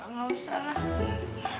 nggak usah lah